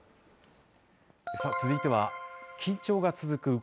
続いては緊張が続く